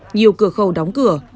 nhiều cửa khâu đóng cửa